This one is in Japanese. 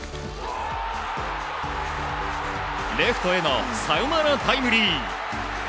レフトへのサヨナラタイムリー。